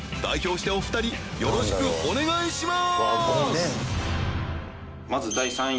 靴お二人よろしくお願いします